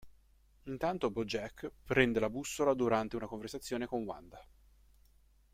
Intanto BoJack perde la bussola durante una conversazione con Wanda.